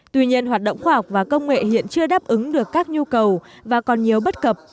tuy nhiên hoạt động khoa học và công nghệ hiện chưa đáp ứng được các nhu cầu và còn nhiều bất cập